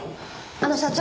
あの社長。